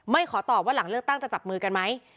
ขอตอบว่าหลังเลือกตั้งจะจับมือกันไหม